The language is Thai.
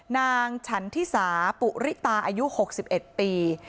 นางฉันทิสาปุริตาอายุ๖๑ปี